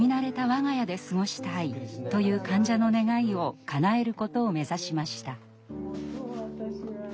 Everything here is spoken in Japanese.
我が家で過ごしたい」という患者の願いをかなえることを目指しました。